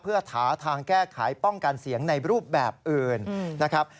เพื่อหาทางแก้ไขป้องกันเสียงในรูปแบบอื่นนะครับ